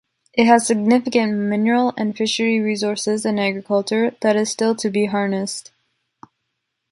It has significant mineral and fishery resources and agriculture that is still to be harnessed.